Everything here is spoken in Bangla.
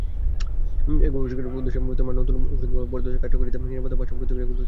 এই গবেষণার উদ্দেশ্য নতুন ঔষধ বা পদ্ধতির কার্যকারিতা, নিরাপত্তা ও পার্শ্ব-প্রতিক্রিয়াগুলি অধ্যয়ন করা।